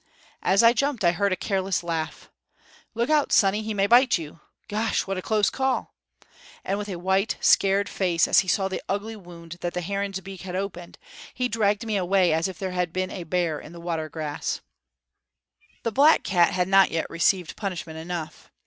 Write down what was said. As I jumped I heard a careless laugh. "Look out, Sonny, he may bite you Gosh! what a close call!" And with a white, scared face, as he saw the ugly wound that the heron's beak had opened, he dragged me away as if there had been a bear in the water grass. The black cat had not yet received punishment enough.